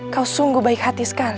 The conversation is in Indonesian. kau sungguh baik hati sekali